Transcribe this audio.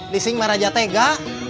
lising mah raja tega